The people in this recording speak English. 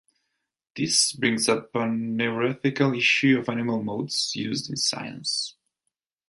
This brings up a neuroethical issue of animal models used in science.